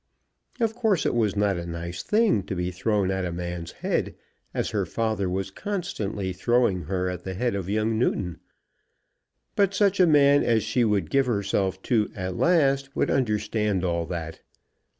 Of course it was not a nice thing to be thrown at a man's head, as her father was constantly throwing her at the head of young Newton; but such a man as she would give herself to at last would understand all that.